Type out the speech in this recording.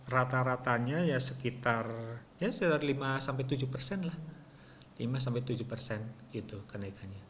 rata ratanya sekitar lima tujuh persen